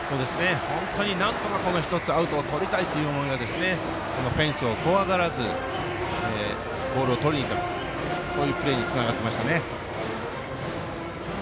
本当になんとか１つアウトをとりたいという思いがフェンスを怖がらずボールをとりにいくプレーにつながっていました。